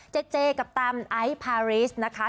เจ๊เจ๊กับตามไอภาริสนะคะ